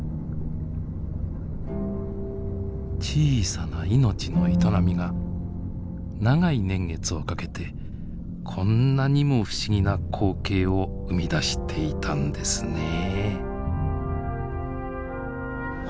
小さな命の営みが長い年月をかけてこんなにも不思議な光景を生み出していたんですねえ。